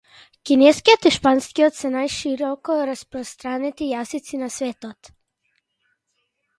Кинескиот и шпанскиот се најшироко распостранети јазици на светот.